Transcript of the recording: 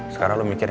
sekarang lo mikirin